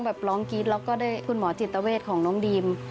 ร้องกรี๊ดแล้วก็ได้คุณหมอจิตเวทของน้องดีม